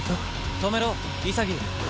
止めろ潔！